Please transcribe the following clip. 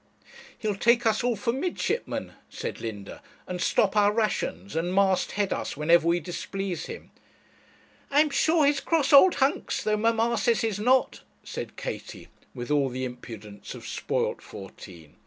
'He'll take us all for midshipmen,' said Linda, 'and stop our rations, and mast head us whenever we displease him.' 'I am sure he is a cross old hunks, though mamma says he's not,' said Katie, with all the impudence of spoilt fourteen.